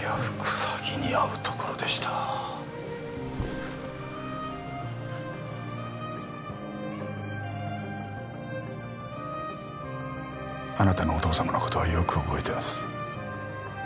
詐欺に遭うところでしたあなたのお父様のことはよく覚えてます